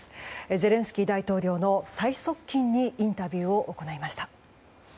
ゼレンスキー大統領の最側近にインタビューを行いました。